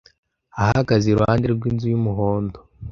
Ahagaze iruhande rwinzu yumuhondo.